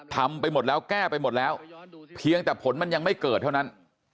ทำไปหมดแล้วแก้ไปหมดแล้วเพียงแต่ผลมันยังไม่เกิดเท่านั้น